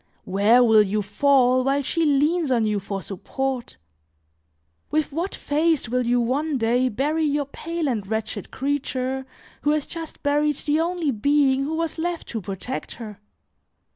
Where will you fall while she leans on you for support? With what face will you one day bury your pale and wretched creature, who has just buried the only being who was left to protect her?